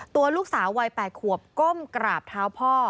ตัวลูกสาววัย๘ขวบก้มกราบเท้าพ่อ